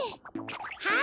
はい！